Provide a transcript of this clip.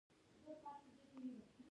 ګوښه کول د چا صلاحیت دی؟